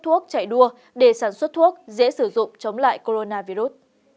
thuốc chạy đua để sản xuất thuốc dễ sử dụng chống lại coronavirus